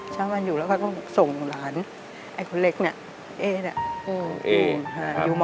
เขามาอยู่แล้วก็ส่งหลานไอ้คุณเล็กเนี่ยเอ๋อยู่ม๓